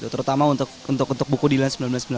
terutama untuk buku dilan seribu sembilan ratus sembilan puluh